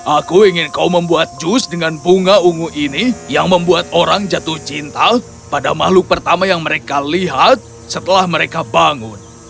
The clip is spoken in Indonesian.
aku ingin kau membuat jus dengan bunga ungu ini yang membuat orang jatuh cinta pada makhluk pertama yang mereka lihat setelah mereka bangun